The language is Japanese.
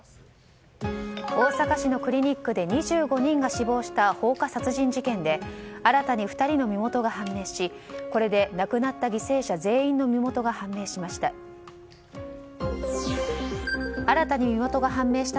大阪市のクリニックで２５人が死亡した放火殺人事件で新たに２人の身元が判明しこれで亡くなった犠牲者全員の身元が判明しました。